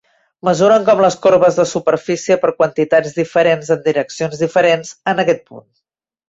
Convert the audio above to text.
Mesuren com les corbes de superfície per quantitats diferents en direccions diferents en aquest punt.